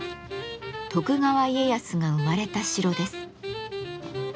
徳川家康が生まれた城です。